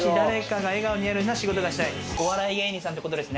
お笑い芸人さんってことです